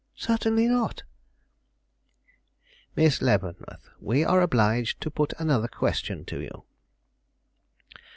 "Certainly not." "Miss Leavenworth, we are obliged to put another question to you.